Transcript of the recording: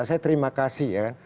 saya terima kasih ya